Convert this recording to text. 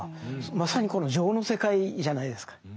まさにこの情の世界じゃないですか。